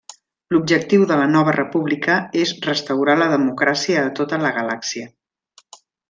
L'objectiu de la Nova República és restaurar la democràcia a tota la galàxia.